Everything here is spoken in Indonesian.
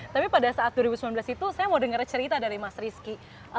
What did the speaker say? tapi pada saat dua ribu sembilan belas itu saya mau denger cerita dari mas rizky